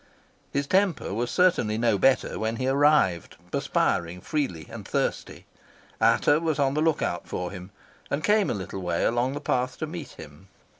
His temper was certainly no better when he arrived, perspiring freely and thirsty. Ata was on the look out for him, and came a little way along the path to meet him.